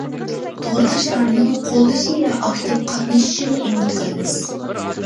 تورداشلارنىڭ قوللىشى ۋە ئاكتىپ قاتنىشىشىنى ئۈمىد قىلىمىز.